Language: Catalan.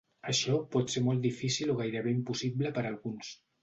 Això pot ser molt difícil o gairebé impossible per a alguns.